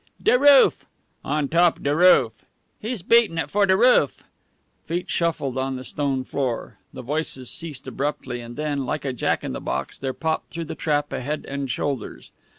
"De roof!" "On top de roof!" "He's beaten it for de roof!" Feet shuffled on the stone floor. The voices ceased abruptly. And then, like a jack in the box, there popped through the trap a head and shoulders.